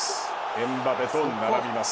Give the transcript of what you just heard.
エムバペと並びます。